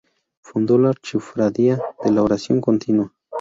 Fundó la "Archicofradía de la Oración Continua".